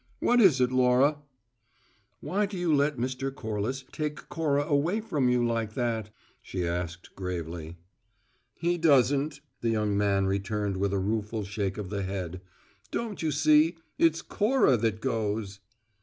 What is it, Laura?" "Why do you let Mr. Corliss take Cora away from you like that?" she asked gravely. "He doesn't," the young man returned with a rueful shake of the head. "Don't you see? It's Cora that goes."